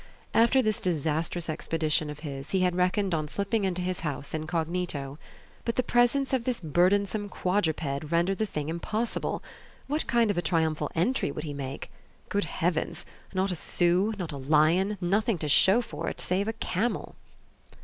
After this disastrous expedition of his he had reckoned on slipping into his house incognito. But the presence of this burdensome quadruped rendered the thing impossible. What kind of a triumphal entry would he make? Good heavens! not a sou, not a lion, nothing to show for it save a camel!